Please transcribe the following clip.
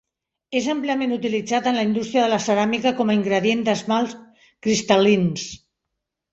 És àmpliament utilitzat en la indústria de la ceràmica com a ingredient d'esmalts cristal·lins.